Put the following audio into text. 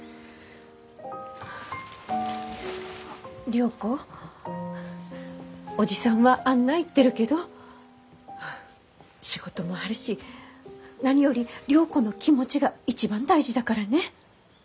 良子おじさんはあんな言ってるけど仕事もあるし何より良子の気持ちが一番大事だからね。